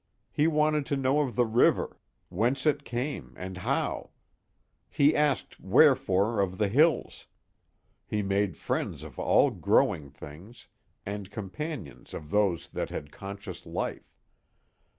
He wanted to know of the river. Whence it came, and how; he asked Wherefore, of the hills; he made friends of all growing things, and companions of those that had conscious life.